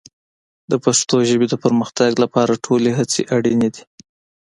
د پښتو ژبې د پرمختګ لپاره ټولې هڅې اړین دي.